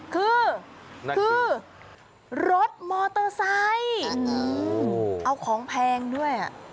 คือคือรถมอเตอร์ไซค์เอาของแพงด้วย